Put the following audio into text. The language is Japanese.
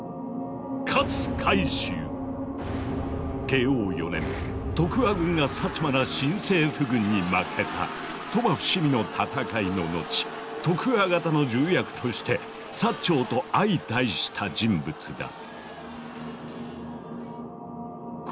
慶応４年徳川軍が薩摩ら新政府軍に負けた鳥羽伏見の戦いの後徳川方の重役として薩長と相対した人物だ。